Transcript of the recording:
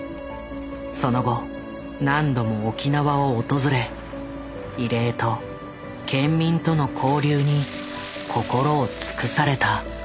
その後何度も沖縄を訪れ慰霊と県民との交流に心を尽くされた。